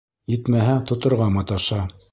Етмәһә, тоторға маташа.